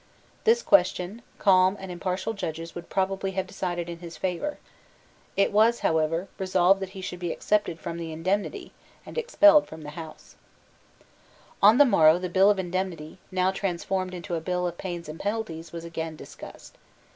This question calm and impartial judges would probably have decided in his favour. It was, however, resolved that he should be excepted from the Indemnity, and expelled from the House, On the morrow the Bill of Indemnity, now transformed into a Bill of Pains and Penalties, was again discussed.